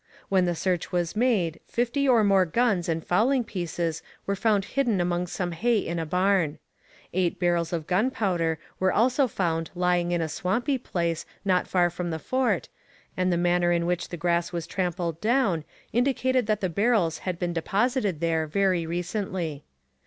When the search was made fifty or more guns and fowling pieces were found hidden among some hay in a barn. Eight barrels of gunpowder were also found lying in a swampy place not far from the fort, and the manner in which the grass was trampled down indicated that the barrels had been deposited there very recently.